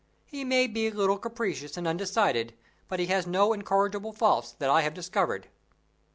He may be a little capricious and undecided, but he has no incorrigible faults that I have discovered."